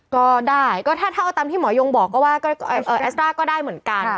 ก็ได้ก็ถ้าตามที่หมอยงบอกว่าแอสโตรารักษ์ก็ได้เหมือนกัน